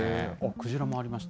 クジラもありました。